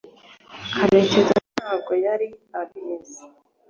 karekezi ntabwo yari abizi